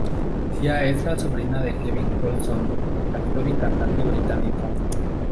Sia es la sobrina de Kevin Colson, actor y cantante británico.